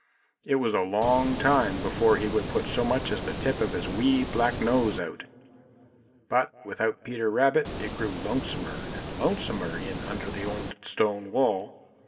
It was a long time before he would put so much as the tip of his wee black nose out. But without Peter Rabbit it grew lonesomer and lonesomer in under the old stone wall.